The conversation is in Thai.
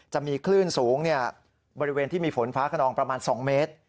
จะมีคลื่นสูงบริเวณที่มีฝนฟ้าขนองประมาณ๒เมตร